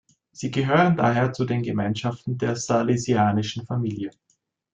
Sie gehören daher zu den Gemeinschaften der Salesianischen Familie.